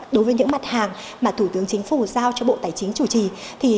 đối với những mặt hàng mà thủ tướng chính phủ giao cho bộ tài chính chủ trì